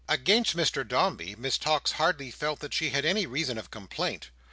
Against Mr Dombey Miss Tox hardly felt that she had any reason of complaint.